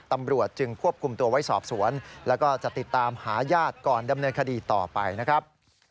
ตำรวจจึงควบคุมตัวไว้สอบสวนแล้วก็จะติดตามหาญาติก่อนดำเนินคดีต่อไปนะครับ